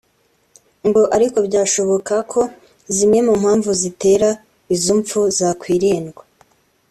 ngo ariko byashoboka ko zimwe mu mpamvu zitera izo mpfu zakwirindwa